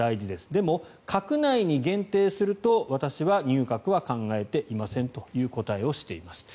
でも、閣内に限定すると私は入閣は考えていませんという答えをしています。